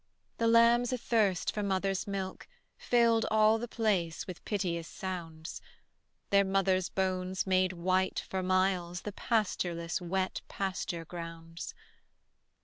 The lambs athirst for mother's milk Filled all the place with piteous sounds: Their mothers' bones made white for miles The pastureless wet pasture grounds.